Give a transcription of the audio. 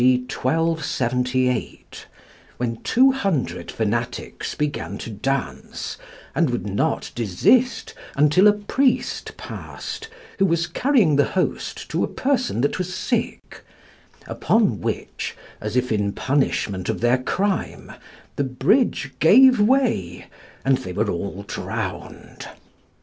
D. 1278, when two hundred fanatics began to dance, and would not desist until a priest passed, who was carrying the Host to a person that was sick, upon which, as if in punishment of their crime, the bridge gave way, and they were all drowned.